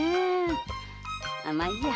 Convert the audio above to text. まあいいや。